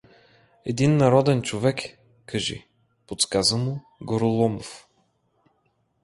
— Един народен човек, кажи — подсказа му Гороломов.